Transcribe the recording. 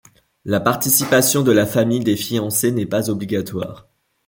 La participation de la famille des fiancés n'est pas obligatoire.